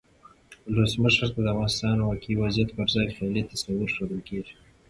ولسمشر ته د افغانستان واقعي وضعیت پرځای خیالي تصویر ښودل کیږي.